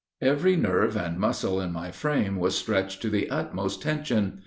"Every nerve and muscle in my frame was stretched to the utmost tension.